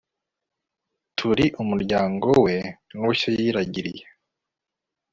turi umuryango we n'ubushyo yiragiriye